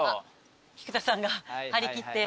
菊田さんが張り切って。